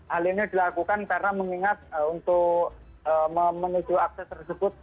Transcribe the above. hal ini dilakukan karena mengingat untuk menuju akses tersebut